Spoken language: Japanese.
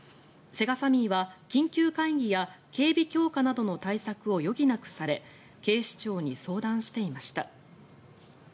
セガサミーは緊急会議や警備強化などの対策を余儀なくされ警視庁に相談していました。